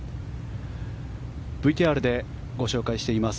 ＶＴＲでご紹介しています